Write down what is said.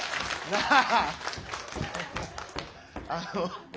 なあ。